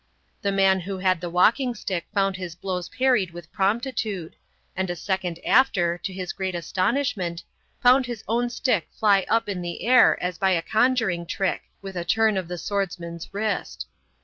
The man who had the walking stick found his blows parried with promptitude; and a second after, to his great astonishment, found his own stick fly up in the air as by a conjuring trick, with a turn of the swordsman's wrist.